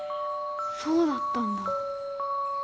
そうだったんだ。